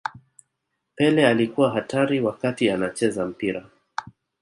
pele alikuwa hatari wakati anacheza mpira